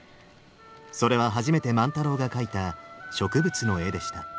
それは初めて万太郎が描いた植物の絵でした。